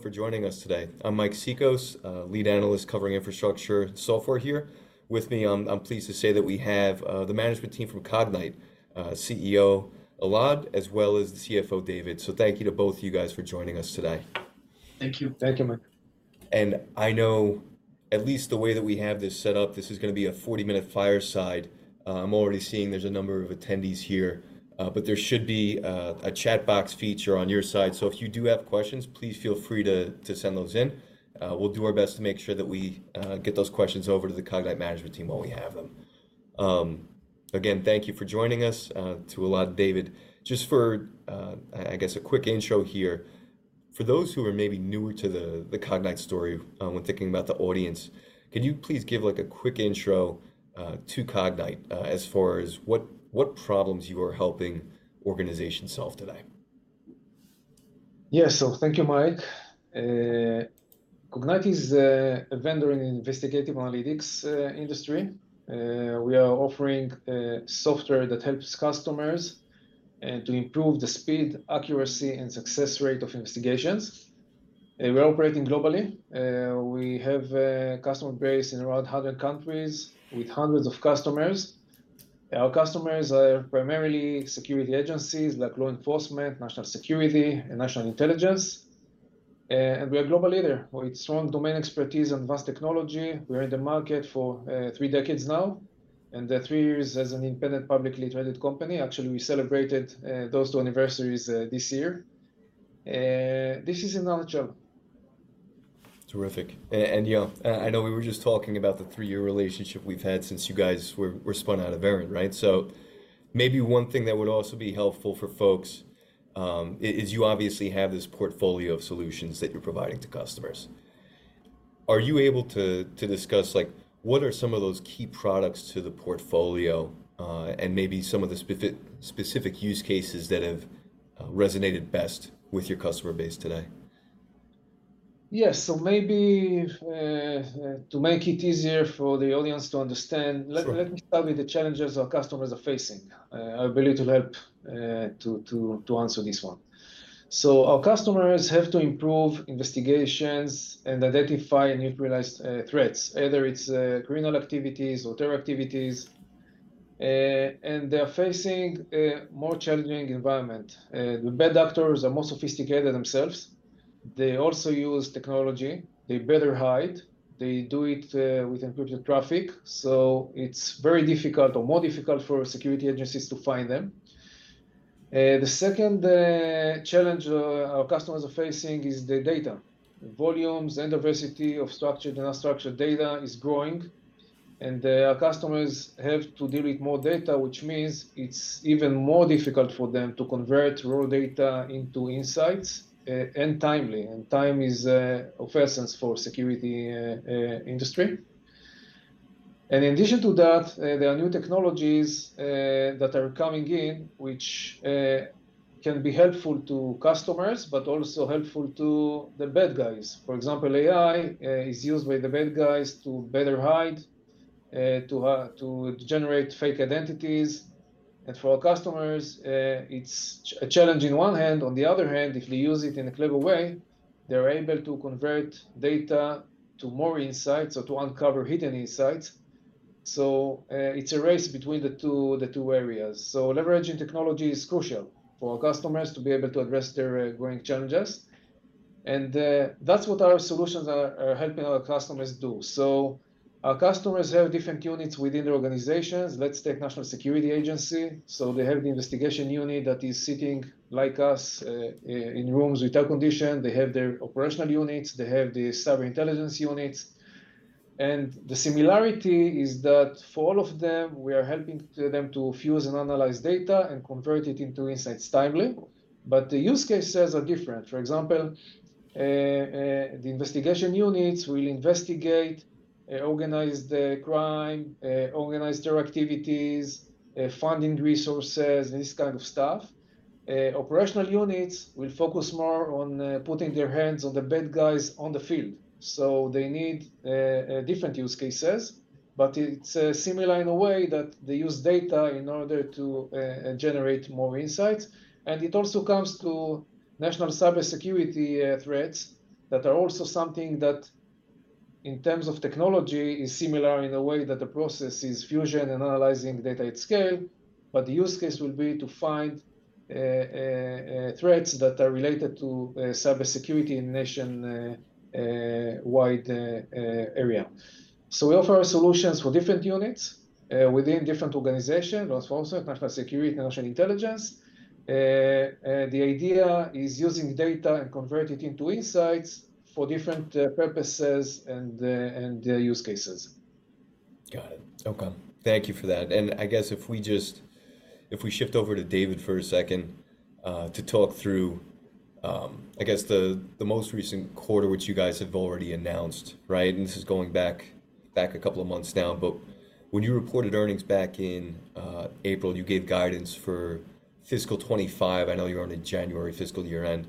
For joining us today. I'm Mike Cikos, lead analyst covering infrastructure software here. With me, I'm pleased to say that we have the management team from Cognyte, CEO Elad, as well as the CFO, David. So thank you to both of you guys for joining us today. Thank you. Thank you, Mike. I know at least the way that we have this set up, this is gonna be a 40-minute fireside. I'm already seeing there's a number of attendees here, but there should be a chat box feature on your side. So if you do have questions, please feel free to send those in. We'll do our best to make sure that we get those questions over to the Cognyte management team while we have them. Again, thank you for joining us, to Elad, David. Just for a quick intro here. For those who are maybe newer to the Cognyte story, when thinking about the audience, can you please give, like, a quick intro to Cognyte, as far as what problems you are helping organizations solve today? Yeah. So thank you, Mike. Cognyte is a vendor in investigative analytics industry. We are offering software that helps customers to improve the speed, accuracy, and success rate of investigations. We're operating globally. We have a customer base in around 100 countries with hundreds of customers. Our customers are primarily security agencies like law enforcement, national security, and national intelligence. And we are global leader with strong domain expertise and vast technology. We are in the market for three decades now, and three years as an independent, publicly traded company. Actually, we celebrated those two anniversaries this year, this is in our job. Terrific. And yeah, I know we were just talking about the three-year relationship we've had since you guys were spun out of Verint, right? So maybe one thing that would also be helpful for folks is you obviously have this portfolio of solutions that you're providing to customers. Are you able to discuss, like, what are some of those key products to the portfolio, and maybe some of the specific use cases that have resonated best with your customer base today? Yes. So maybe, to make it easier for the audience to understand- Sure.... let me start with the challenges our customers are facing. So our customers have to improve investigations and identify and neutralize threats, whether it's criminal activities or terror activities, and they are facing a more challenging environment. The bad actors are more sophisticated themselves. They also use technology. They better hide. They do it with encrypted traffic, so it's very difficult or more difficult for security agencies to find them. The second challenge our customers are facing is the data. The volumes and diversity of structured and unstructured data is growing, and our customers have to deal with more data, which means it's even more difficult for them to convert raw data into insights and timely. And time is of essence for security industry. In addition to that, there are new technologies that are coming in, which can be helpful to customers, but also helpful to the bad guys. For example, AI is used by the bad guys to better hide, to generate fake identities. And for our customers, it's a challenge in one hand. On the other hand, if we use it in a clever way, they're able to convert data to more insights or to uncover hidden insights. So, it's a race between the two, the two areas. So leveraging technology is crucial for our customers to be able to address their growing challenges, and that's what our solutions are helping our customers do. So our customers have different units within their organizations. Let's take national security Agency. So they have the investigation unit that is sitting like us in rooms with air condition. They have their operational units. They have the cyber intelligence units. The similarity is that for all of them, we are helping to them to fuse and analyze data and convert it into insights timely. But the use cases are different. For example, the investigation units will investigate organized crime, organized terror activities, funding resources, and this kind of stuff. Operational units will focus more on putting their hands on the bad guys on the field, so they need different use cases, but it's similar in a way that they use data in order to generate more insights. It also comes to national cybersecurity threats that are also something that, in terms of technology, is similar in a way that the process is fusion and analyzing data at scale, but the use case will be to find threats that are related to cybersecurity in nationwide area. So we offer our solutions for different units within different organizations, law enforcement, national security, national intelligence. The idea is using the data and convert it into insights for different purposes and use cases. Got it. Okay, thank you for that. I guess if we just shift over to David for a second to talk through the most recent quarter, which you guys have already announced, right? And this is going back a couple of months now, but when you reported earnings back in April, you gave guidance for fiscal 2025. I know you're on a January fiscal year end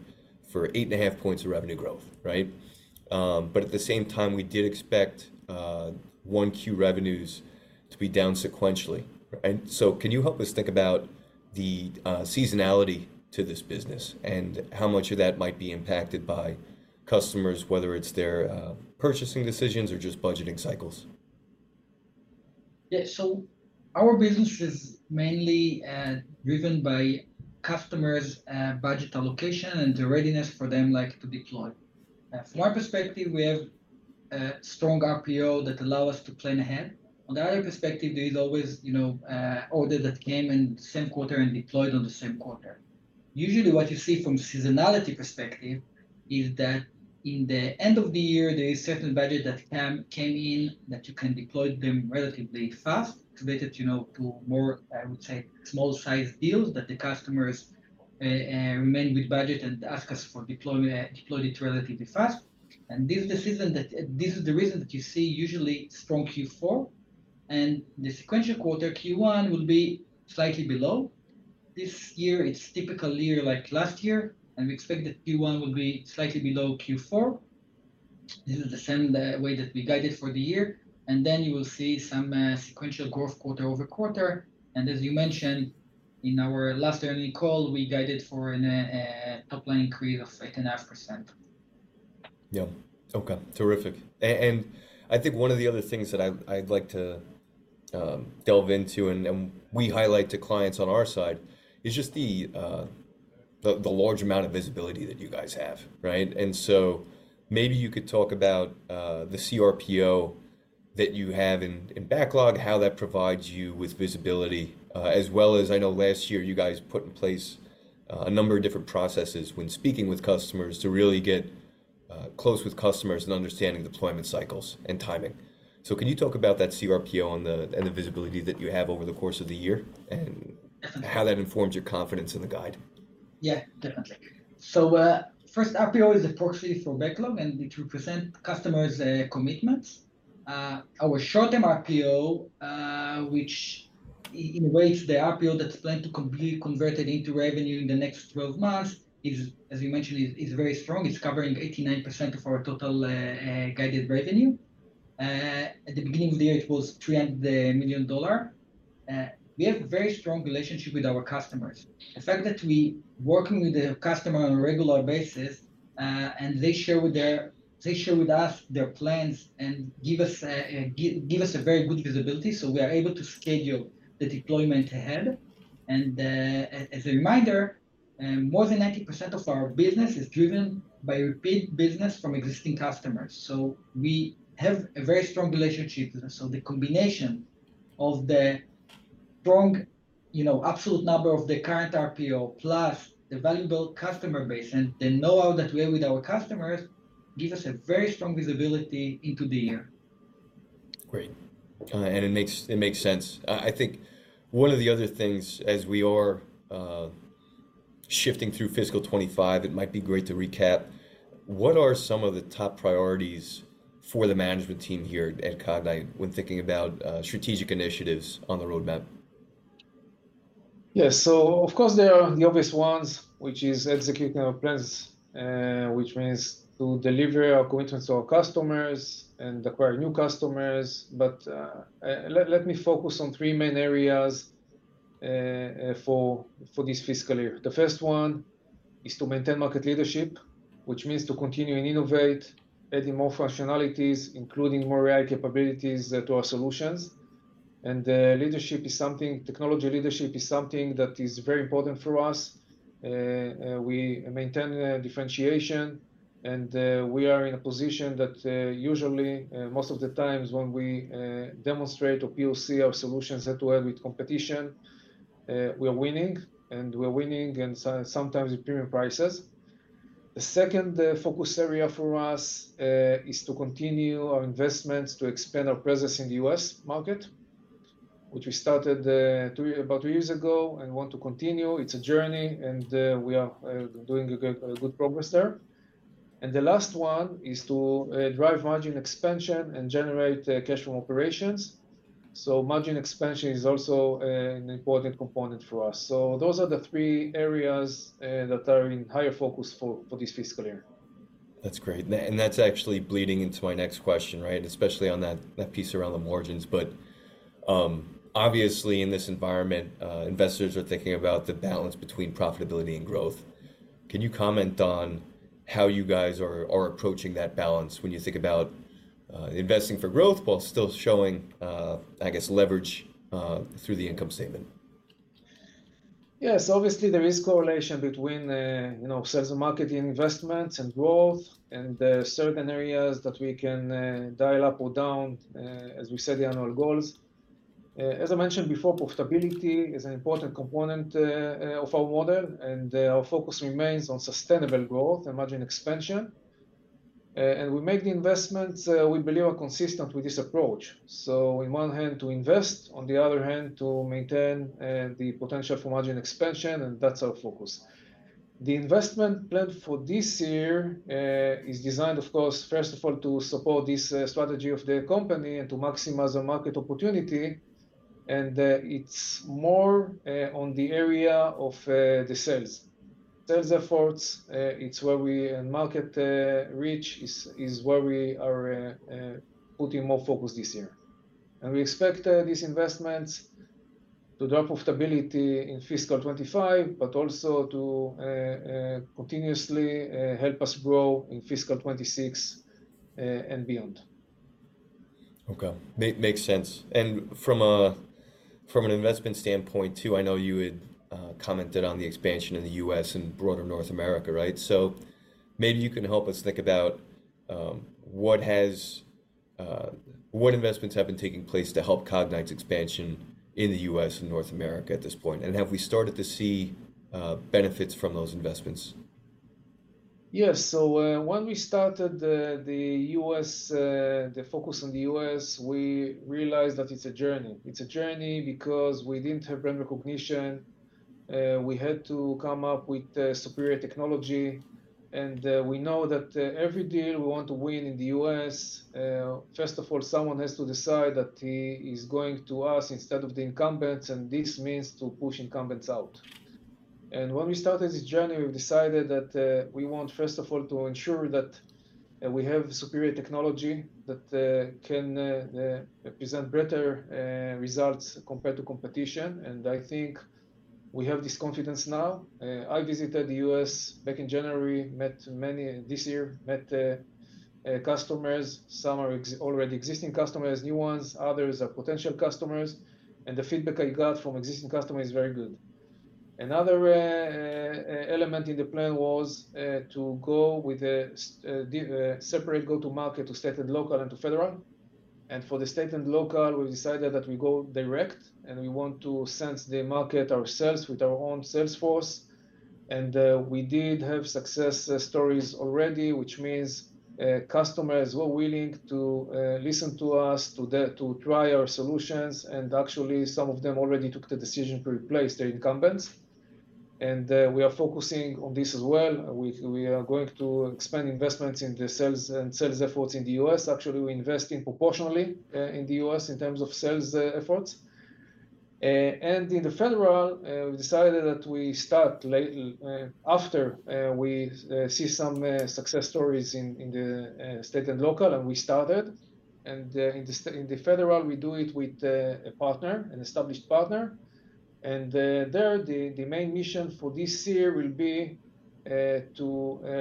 for 8.5 points of revenue growth, right? But at the same time, we did expect Q1 revenues to be down sequentially, right? So can you help us think about the seasonality to this business and how much of that might be impacted by customers, whether it's their purchasing decisions or just budgeting cycles? Yeah. So our business is mainly driven by customers' budget allocation and the readiness for them like to deploy. Absolutely. From one perspective, we have strong RPO that allow us to plan ahead. On the other perspective, there is always, you know, order that came in the same quarter and deployed on the same quarter. Usually, what you see from seasonality perspective is that in the end of the year, there is certain budget that came in, that you can deploy them relatively fast, related, you know, to more, I would say, small-sized deals that the customers remain with budget and ask us for deployment, deployed it relatively fast. And this is the season that... This is the reason that you see usually strong Q4, and the sequential quarter, Q1, will be slightly below. This year, it's typical year like last year, and we expect that Q1 will be slightly below Q4. This is the same way that we guided for the year, and then you will see some sequential growth quarter-over-quarter. As you mentioned, in our last earnings call, we guided for a top line increase of 8.5%. Yeah. Okay, terrific. And I think one of the other things that I'd like to delve into, and we highlight to clients on our side, is just the large amount of visibility that you guys have, right? And so maybe you could talk about the CRPO that you have in backlog, how that provides you with visibility. As well as I know last year you guys put in place a number of different processes when speaking with customers to really get close with customers and understanding deployment cycles and timing. So can you talk about that CRPO on the, and the visibility that you have over the course of the year, and how that informs your confidence in the guide? Yeah, definitely. So, first, RPO is a proxy for backlog, and it represent customers' commitments. Our short-term RPO, which in which the RPO that's planned to complete converted into revenue in the next 12 months, is, as you mentioned, very strong. It's covering 89% of our total guided revenue. At the beginning of the year, it was $300 million. We have a very strong relationship with our customers. The fact that we working with the customer on a regular basis, and they share with us their plans and give us a very good visibility, so we are able to schedule the deployment ahead. And, as a reminder, more than 90% of our business is driven by repeat business from existing customers, so we have a very strong relationship with them. So the combination of the strong, you know, absolute number of the current RPO, plus the valuable customer base and the know-how that we have with our customers, gives us a very strong visibility into the year. Great. And it makes, it makes sense. I think one of the other things as we are shifting through fiscal 2025, it might be great to recap what are some of the top priorities for the management team here at Cognyte when thinking about strategic initiatives on the roadmap? Yes. So of course, there are the obvious ones, which is executing our plans, which means to deliver our commitments to our customers and acquire new customers. But, let me focus on three main areas, for this fiscal year. The first one is to maintain market leadership, which means to continue and innovate, adding more functionalities, including more AI capabilities to our solutions. And, leadership is something... Technology leadership is something that is very important for us. We maintain differentiation, and we are in a position that, usually, most of the times when we demonstrate or POC our solutions that we have with competition, we are winning, and we are winning, and so sometimes with premium prices. The second focus area for us is to continue our investments to expand our presence in the US market, which we started about two years ago and want to continue. It's a journey, and we are doing a good progress there. And the last one is to drive margin expansion and generate cash from operations. So margin expansion is also an important component for us. So those are the three areas that are in higher focus for this fiscal year. That's great. That's actually bleeding into my next question, right? Especially on that piece around the margins. But, obviously, in this environment, investors are thinking about the balance between profitability and growth. Can you comment on how you guys are approaching that balance when you think about investing for growth while still showing, I guess, leverage through the income statement? Yes, obviously, there is correlation between, you know, sales and marketing investments and growth, and there are certain areas that we can dial up or down as we set annual goals. As I mentioned before, profitability is an important component of our model, and our focus remains on sustainable growth and margin expansion. And we make the investments we believe are consistent with this approach. So on one hand, to invest, on the other hand, to maintain the potential for margin expansion, and that's our focus. The investment plan for this year is designed, of course, first of all, to support this strategy of the company and to maximize the market opportunity... and it's more on the area of the sales. Sales efforts and market reach is where we are putting more focus this year. We expect these investments to drop profitability in fiscal 2025, but also to continuously help us grow in fiscal 2026 and beyond. Okay. Makes sense. And from an investment standpoint too, I know you had commented on the expansion in the US and broader North America, right? So maybe you can help us think about what investments have been taking place to help Cognyte's expansion in the US and North America at this point? And have we started to see benefits from those investments? Yes. So, when we started the focus on the U.S., we realized that it's a journey. It's a journey because we didn't have brand recognition. We had to come up with superior technology, and we know that every deal we want to win in the U.S., first of all, someone has to decide that he is going to us instead of the incumbents, and this means to push incumbents out. When we started this journey, we decided that we want, first of all, to ensure that we have superior technology that can present better results compared to competition, and I think we have this confidence now. I visited the U.S. back in January this year, met customers. Some are already existing customers, new ones, others are potential customers, and the feedback I got from existing customers is very good. Another element in the plan was to go with a separate go-to-market to state and local and to federal. And for the state and local, we decided that we go direct, and we want to sense the market ourselves with our own sales force. And we did have success stories already, which means customers were willing to listen to us, to try our solutions, and actually, some of them already took the decision to replace their incumbents. And we are focusing on this as well. We are going to expand investments in the sales and sales efforts in the US. Actually, we're investing proportionally in the US in terms of sales efforts. And in the federal, we decided that we start late, after we see some success stories in the state and local, and we started. And in the federal, we do it with a partner, an established partner. And there, the main mission for this year will be to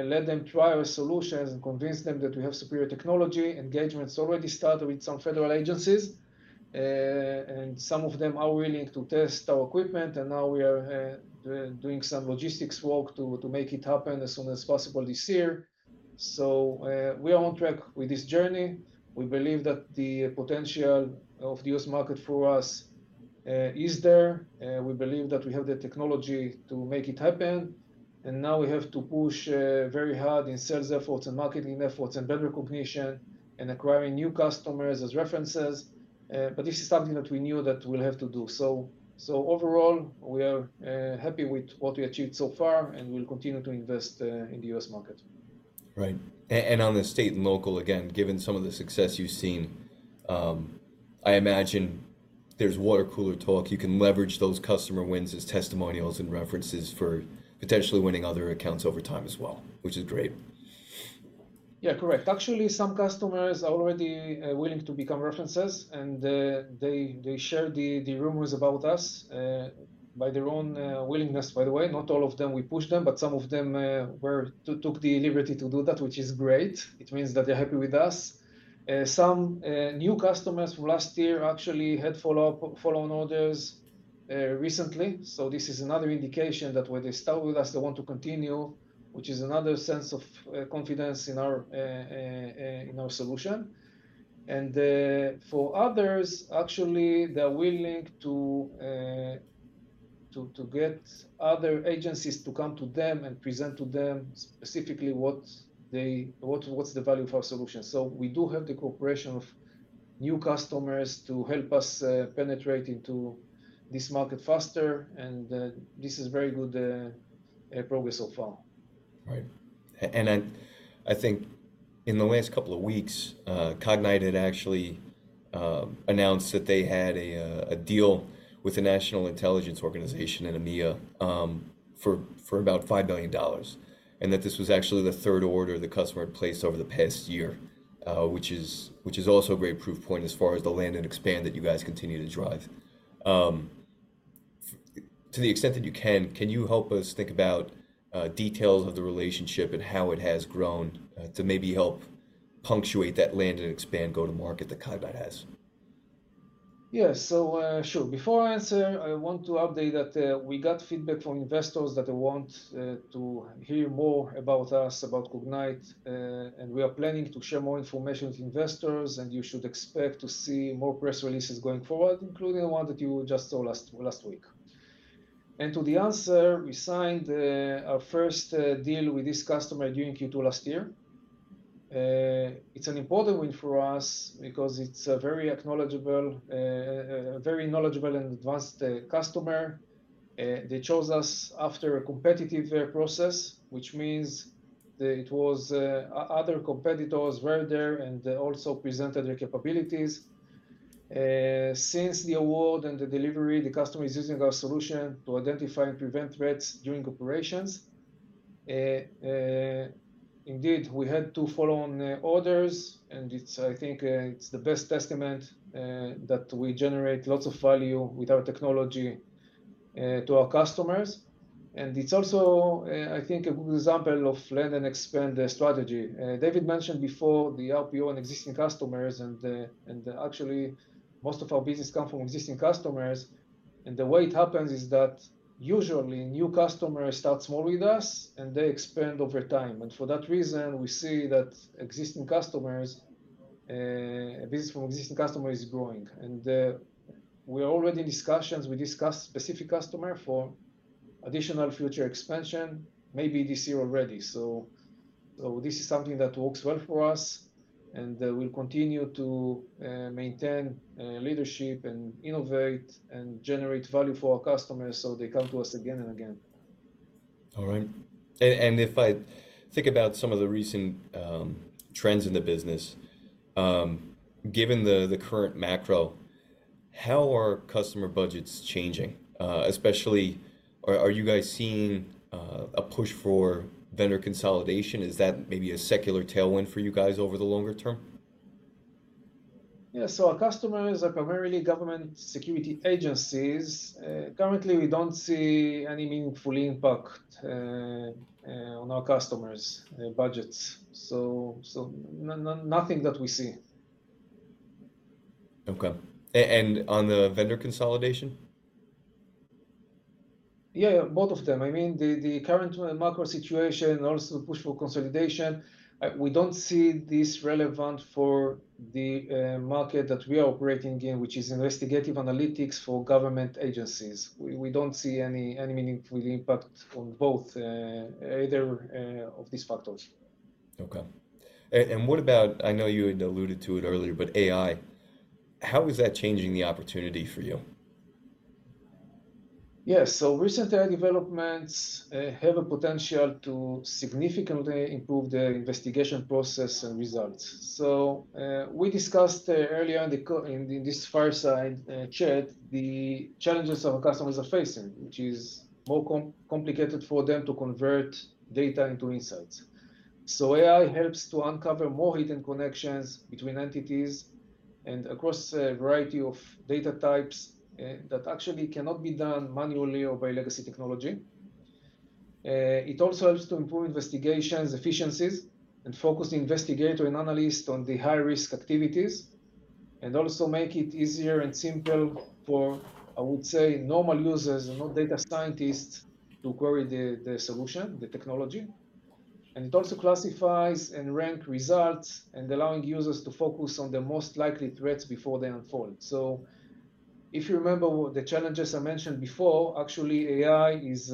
let them try our solutions and convince them that we have superior technology. Engagement's already started with some federal agencies, and some of them are willing to test our equipment, and now we are doing some logistics work to make it happen as soon as possible this year. So we are on track with this journey. We believe that the potential of the US market for us is there. We believe that we have the technology to make it happen, and now we have to push very hard in sales efforts and marketing efforts and brand recognition and acquiring new customers as references. But this is something that we knew that we'll have to do. So overall, we are happy with what we achieved so far, and we'll continue to invest in the US market. Right. And on the state and local, again, given some of the success you've seen, I imagine there's water cooler talk. You can leverage those customer wins as testimonials and references for potentially winning other accounts over time as well, which is great. Yeah, correct. Actually, some customers are already willing to become references, and they share the rumors about us by their own willingness. By the way, not all of them we push them, but some of them took the liberty to do that, which is great. It means that they're happy with us. Some new customers from last year actually had follow-up, follow-on orders recently. So this is another indication that when they start with us, they want to continue, which is another sense of confidence in our solution. And for others, actually, they're willing to get other agencies to come to them and present to them specifically what's the value of our solution. So we do have the cooperation of new customers to help us penetrate into this market faster, and this is very good progress so far. Right. And I think in the last couple of weeks, Cognyte had actually announced that they had a deal with the national intelligence organization in EMEA, for about $5 billion, and that this was actually the third order the customer had placed over the past year, which is also a great proof point as far as the land and expand that you guys continue to drive. To the extent that you can, can you help us think about details of the relationship and how it has grown, to maybe help punctuate that land and expand go to market that Cognyte has? Yeah. So, sure. Before I answer, I want to update that we got feedback from investors that want to hear more about us, about Cognyte, and we are planning to share more information with investors, and you should expect to see more press releases going forward, including the one that you just saw last week. And to the answer, we signed our first deal with this customer during Q2 last year. It's an important win for us because it's a very acknowledged, very knowledgeable and advanced customer. They chose us after a competitive process, which means that it was other competitors were there, and they also presented their capabilities. Since the award and the delivery, the customer is using our solution to identify and prevent threats during operations. Indeed, we had to follow on orders, and it's, I think, it's the best testament that we generate lots of value with our technology to our customers. And it's also, I think, a good example of land and expand strategy. David mentioned before the RPO and existing customers, and actually, most of our business come from existing customers. And the way it happens is that usually new customers start small with us, and they expand over time. And for that reason, we see that existing customers business from existing customer is growing. And we are already in discussions. We discussed specific customer for additional future expansion, maybe this year already. So this is something that works well for us, and we'll continue to maintain leadership and innovate and generate value for our customers so they come to us again and again. All right. And if I think about some of the recent trends in the business, given the current macro, how are customer budgets changing? Especially, are you guys seeing a push for vendor consolidation? Is that maybe a secular tailwind for you guys over the longer term? Yeah. So our customers are primarily government security agencies. Currently, we don't see any meaningful impact on our customers' budgets. So, nothing that we see. Okay. And on the vendor consolidation? Yeah, both of them. I mean, the current macro situation and also the push for consolidation, we don't see this relevant for the market that we are operating in, which is investigative analytics for government agencies. We don't see any meaningful impact on both, either, of these factors. Okay. And what about, I know you had alluded to it earlier, but AI, how is that changing the opportunity for you? Yeah. Recent AI developments have a potential to significantly improve the investigation process and results. We discussed earlier in this fireside chat the challenges our customers are facing, which is more complicated for them to convert data into insights. AI helps to uncover more hidden connections between entities and across a variety of data types that actually cannot be done manually or by legacy technology. It also helps to improve investigations efficiencies and focus the investigator and analyst on the high-risk activities, and also make it easier and simple for, I would say, normal users and not data scientists, to query the solution, the technology. It also classifies and rank results, and allowing users to focus on the most likely threats before they unfold. So if you remember the challenges I mentioned before, actually, AI is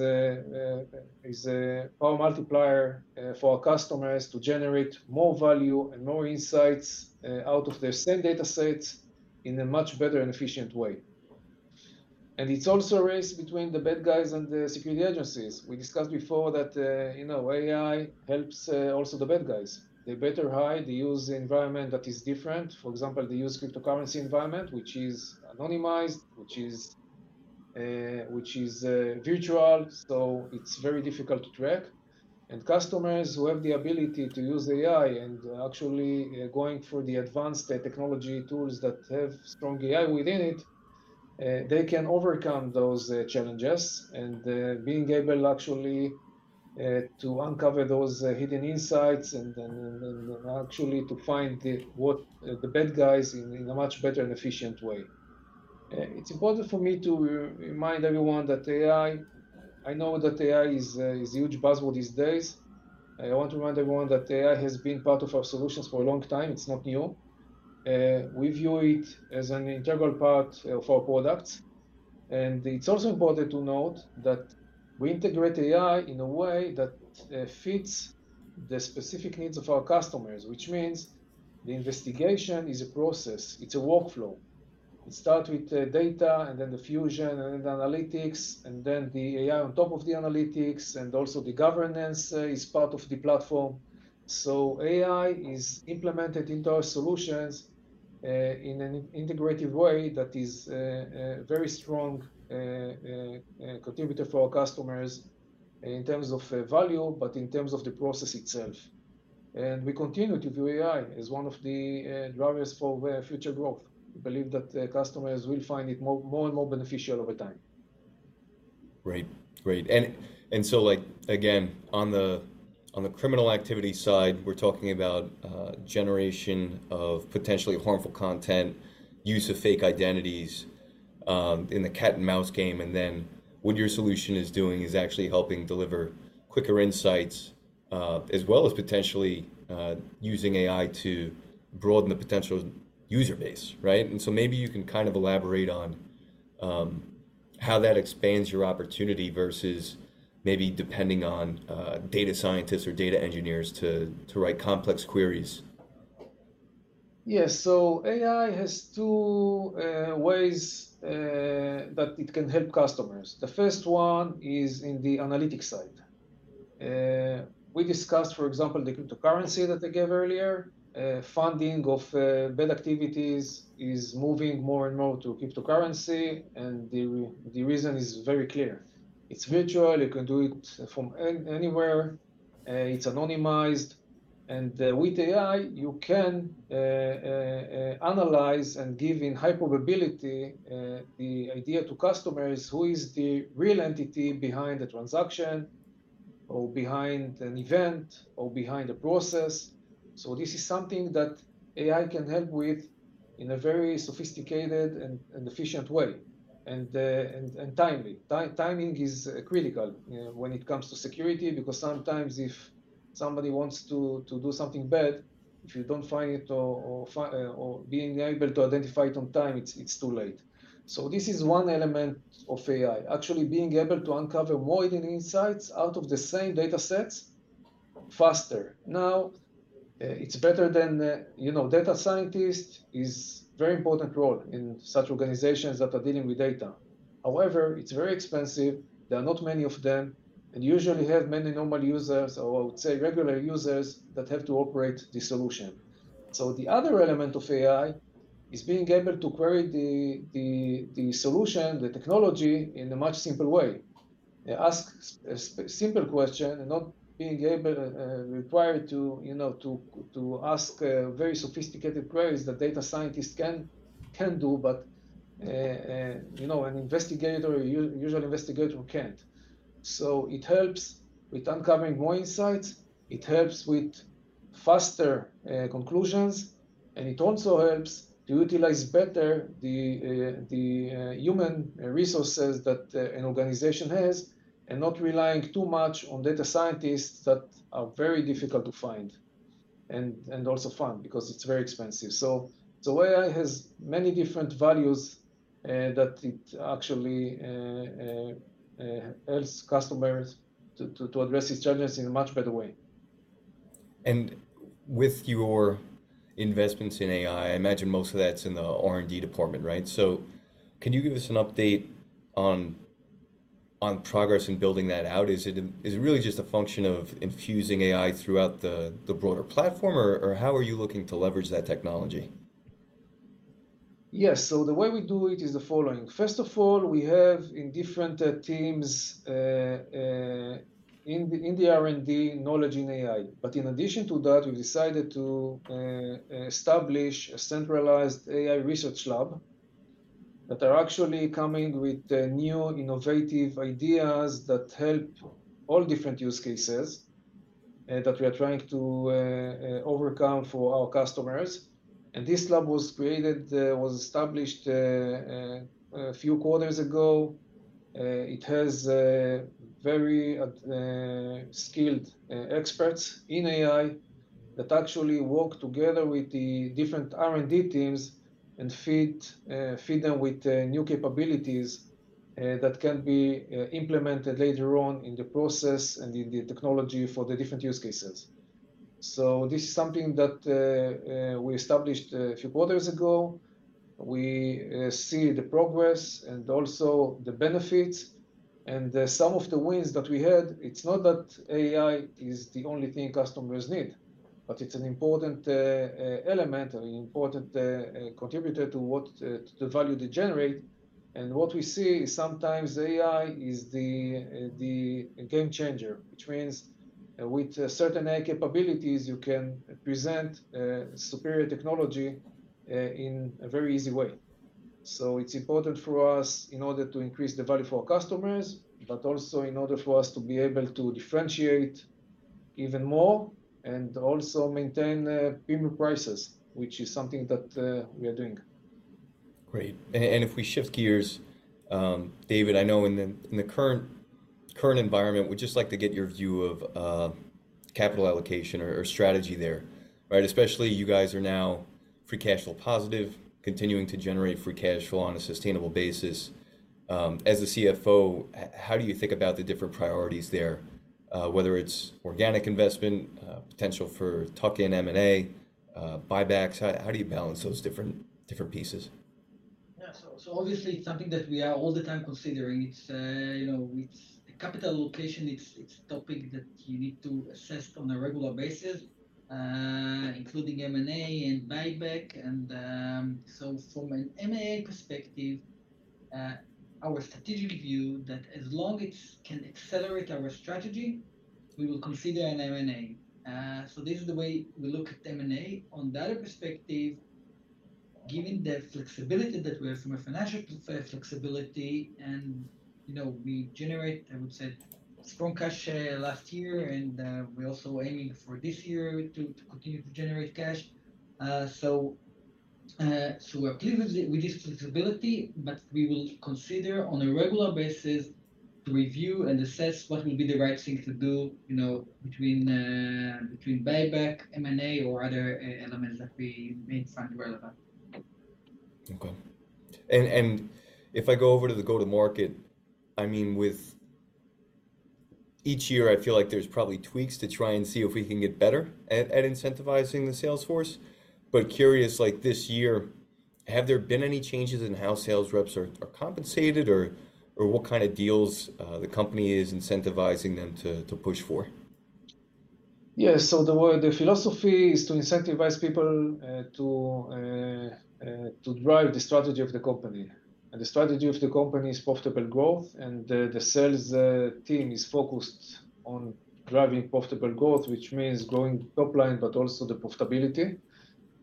a power multiplier for our customers to generate more value and more insights out of their same data sets in a much better and efficient way. And it's also a race between the bad guys and the security agencies. We discussed before that, you know, AI helps also the bad guys. They better hide. They use environment that is different. For example, they use cryptocurrency environment, which is anonymized, which is virtual, so it's very difficult to track. Customers who have the ability to use AI and actually going for the advanced technology tools that have strong AI within it, they can overcome those challenges, and being able actually to uncover those hidden insights, and then actually to find the bad guys in a much better and efficient way. It's important for me to re-remind everyone that AI. I know that AI is a huge buzzword these days. I want to remind everyone that AI has been part of our solutions for a long time. It's not new. We view it as an integral part of our products, and it's also important to note that we integrate AI in a way that fits the specific needs of our customers, which means the investigation is a process, it's a workflow. It starts with data, and then the fusion, and then the analytics, and then the AI on top of the analytics, and also the governance is part of the platform. So AI is implemented into our solutions in an integrated way that is a very strong contributor for our customers in terms of value, but in terms of the process itself. And we continue to view AI as one of the drivers for future growth. We believe that customers will find it more and more beneficial over time. Great. Great. And so, like, again, on the criminal activity side, we're talking about generation of potentially harmful content, use of fake identities, in the cat and mouse game, and then what your solution is doing is actually helping deliver quicker insights, as well as potentially using AI to broaden the potential user base, right? And so maybe you can kind of elaborate on how that expands your opportunity versus maybe depending on data scientists or data engineers to write complex queries.... Yes, so AI has two ways that it can help customers. The first one is in the analytics side. We discussed, for example, the cryptocurrency that I gave earlier. Funding of bad activities is moving more and more to cryptocurrency, and the reason is very clear. It's virtual, you can do it from anywhere, it's anonymized, and with AI, you can analyze and give in high probability the idea to customers who is the real entity behind the transaction or behind an event or behind a process. So this is something that AI can help with in a very sophisticated and efficient way, and timely. Timing is critical when it comes to security, because sometimes if somebody wants to do something bad, if you don't find it or being able to identify it on time, it's too late. So this is one element of AI, actually being able to uncover more hidden insights out of the same data sets faster. Now, it's better than you know, data scientist is very important role in such organizations that are dealing with data. However, it's very expensive, there are not many of them, and usually have many normal users, or I would say regular users that have to operate the solution. So the other element of AI is being able to query the solution, the technology, in a much simpler way. Ask a simple question and not being able, required to, you know, to ask very sophisticated queries that data scientists can do, but, you know, an investigator, a usual investigator can't. So it helps with uncovering more insights, it helps with faster conclusions, and it also helps to utilize better the human resources that an organization has, and not relying too much on data scientists that are very difficult to find and also fund because it's very expensive. So AI has many different values that it actually helps customers to address these challenges in a much better way. With your investments in AI, I imagine most of that's in the R&D department, right? So can you give us an update on progress in building that out? Is it really just a function of infusing AI throughout the broader platform, or how are you looking to leverage that technology? Yes. So the way we do it is the following: First of all, we have in different teams, in the R&D, knowledge in AI. But in addition to that, we decided to establish a centralized AI research lab that are actually coming with new innovative ideas that help all different use cases, that we are trying to overcome for our customers. And this lab was created, was established, a few quarters ago. It has very skilled experts in AI that actually work together with the different R&D teams and feed them with new capabilities that can be implemented later on in the process and in the technology for the different use cases. So this is something that we established a few quarters ago. We see the progress and also the benefits and some of the wins that we had. It's not that AI is the only thing customers need, but it's an important element and an important contributor to what to the value they generate. What we see is sometimes AI is the the game changer, which means with certain AI capabilities, you can present superior technology in a very easy way. It's important for us in order to increase the value for our customers, but also in order for us to be able to differentiate even more and also maintain premium prices, which is something that we are doing. Great. And if we shift gears, David, I know in the current environment, we'd just like to get your view of capital allocation or strategy there, right? Especially, you guys are now free cash flow positive, continuing to generate free cash flow on a sustainable basis. As the CFO, how do you think about the different priorities there? Whether it's organic investment, potential for tuck-in M&A, buybacks. How do you balance those different pieces? Yeah. So, so obviously, it's something that we are all the time considering. It's, you know, it's capital allocation, it's a topic that you need to assess on a regular basis, including M&A and buyback. And, so from an M&A perspective, our strategic view that as long it's can accelerate our strategy, we will consider an M&A. So this is the way we look at M&A. On the other perspective, given the flexibility that we have from a financial flexibility, and, you know, we generate, I would say, strong cash last year, and, we're also aiming for this year to continue to generate cash. So, we're pleased with this flexibility, but we will consider on a regular basis to review and assess what will be the right thing to do, you know, between buyback, M&A, or other elements that we may find relevant. Okay. If I go over to the go-to-market, I mean, each year, I feel like there's probably tweaks to try and see if we can get better at incentivizing the sales force. But curious, like this year, have there been any changes in how sales reps are compensated, or what kind of deals the company is incentivizing them to push for? Yeah. So the word, the philosophy is to incentivize people to drive the strategy of the company. And the strategy of the company is profitable growth, and the sales team is focused on driving profitable growth, which means growing the top line, but also the profitability.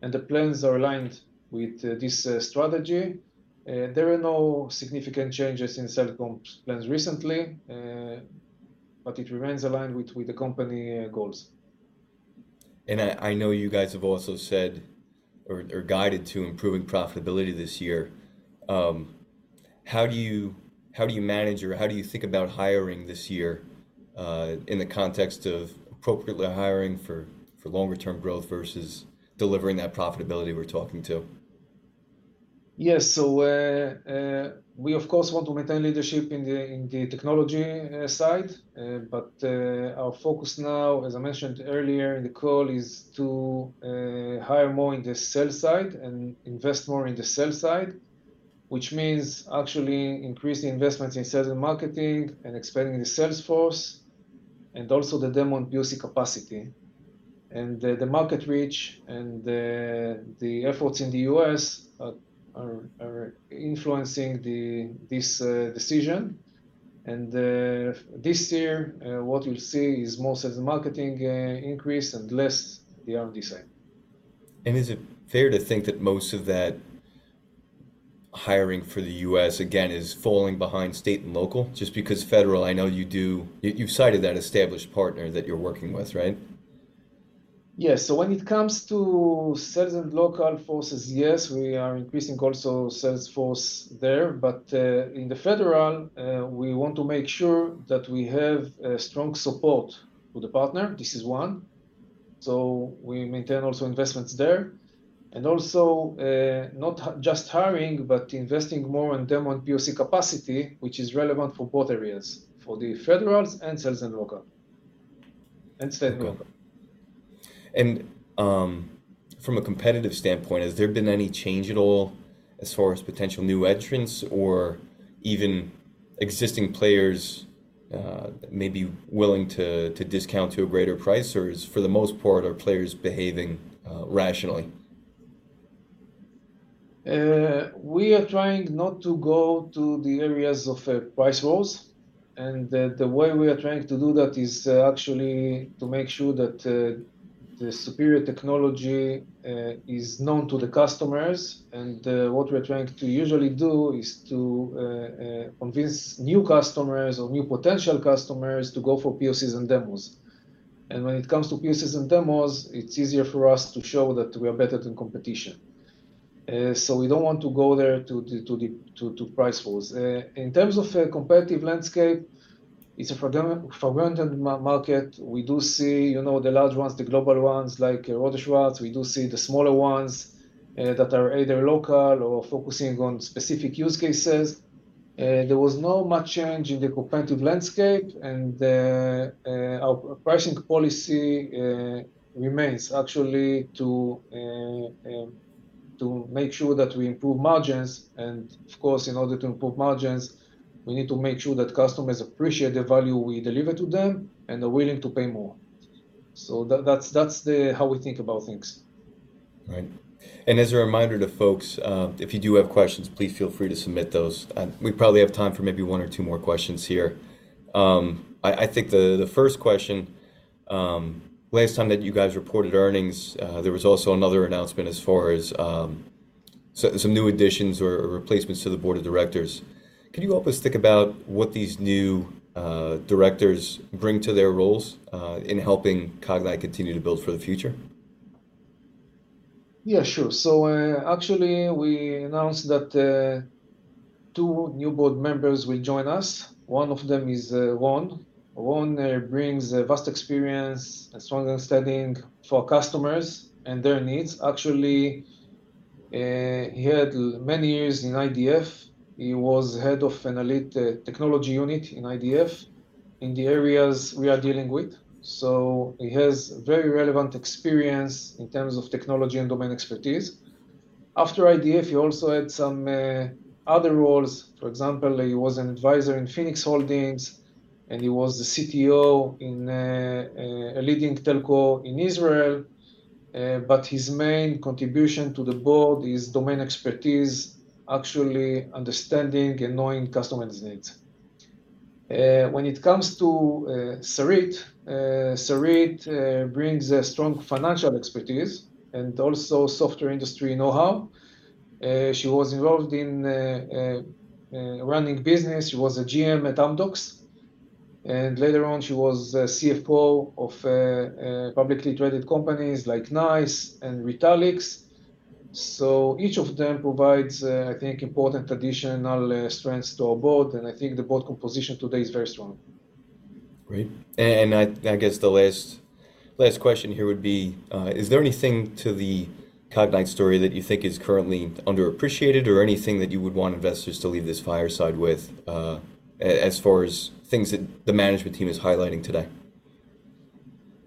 And the plans are aligned with this strategy. There are no significant changes in sales comp plans recently, but it remains aligned with the company goals. I know you guys have also said or guided to improving profitability this year. How do you manage or how do you think about hiring this year, in the context of appropriately hiring for longer term growth versus delivering that profitability we're talking to? Yes. So, we of course want to maintain leadership in the technology side, but our focus now, as I mentioned earlier in the call, is to hire more in the sales side and invest more in the sales side, which means actually increasing investments in sales and marketing and expanding the sales force, and also the demo and POC capacity. The market reach and the efforts in the U.S. are influencing this decision. This year, what you'll see is more sales and marketing increase and less the R&D side. Is it fair to think that most of that hiring for the U.S., again, is falling behind state and local? Just because federal, I know you do... You've cited that established partner that you're working with, right? Yes. So when it comes to state and local forces, yes, we are increasing also sales force there, but in the federal, we want to make sure that we have a strong support with the partner. This is one. So we maintain also investments there. And also, not just hiring, but investing more on demo and POC capacity, which is relevant for both areas, for the federals and state and local, and state and local. From a competitive standpoint, has there been any change at all as far as potential new entrants or even existing players that may be willing to discount to a greater price, or for the most part, are players behaving rationally? We are trying not to go to the areas of price wars, and the way we are trying to do that is actually to make sure that the superior technology is known to the customers. And what we are trying to usually do is to convince new customers or new potential customers to go for POCs and demos. And when it comes to POCs and demos, it's easier for us to show that we are better than competition. So we don't want to go there to the price wars. In terms of a competitive landscape, it's a fragmented market. We do see, you know, the large ones, the global ones, like Rohde & Schwarz. We do see the smaller ones that are either local or focusing on specific use cases. There was no much change in the competitive landscape, and our pricing policy remains actually to to make sure that we improve margins. And of course, in order to improve margins, we need to make sure that customers appreciate the value we deliver to them and are willing to pay more. So that, that's, that's the how we think about things. Right. As a reminder to folks, if you do have questions, please feel free to submit those. We probably have time for maybe one or two more questions here. I think the first question, last time that you guys reported earnings, there was also another announcement as far as some new additions or replacements to the board of directors. Can you help us think about what these new directors bring to their roles in helping Cognyte continue to build for the future? Yeah, sure. So, actually, we announced that, two new board members will join us. One of them is, Ron. Ron, brings a vast experience, a strong understanding for customers and their needs. Actually, he had many years in IDF. He was head of an elite, technology unit in IDF, in the areas we are dealing with, so he has very relevant experience in terms of technology and domain expertise. After IDF, he also had some, other roles. For example, he was an advisor in Phoenix Holdings, and he was the CTO in, a leading telco in Israel. But his main contribution to the board is domain expertise, actually understanding and knowing customers' needs. When it comes to, Sarit, Sarit, brings a strong financial expertise and also software industry know-how. She was involved in running business. She was a GM at Amdocs, and later on, she was a CFO of a publicly traded companies like NICE and Retalix. So each of them provides, I think, important additional strengths to our board, and I think the board composition today is very strong. Great. I guess the last question here would be, is there anything to the Cognyte story that you think is currently underappreciated, or anything that you would want investors to leave this fireside with, as far as things that the management team is highlighting today?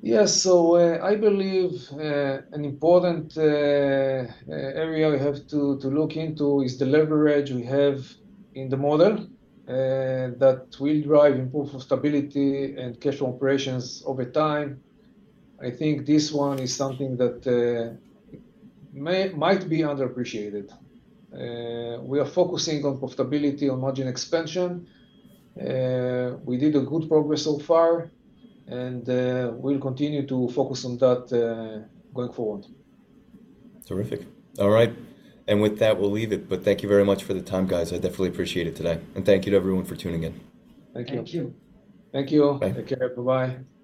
Yes. So, I believe, an important area we have to look into is the leverage we have in the model that will drive improvement of stability and cash operations over time. I think this one is something that might be underappreciated. We are focusing on profitability and margin expansion. We did a good progress so far, and we'll continue to focus on that going forward. Terrific. All right. With that, we'll leave it. Thank you very much for the time, guys. I definitely appreciate it today, and thank you to everyone for tuning in. Thank you. Thank you. Thank you all. Bye. Take care. Bye-bye.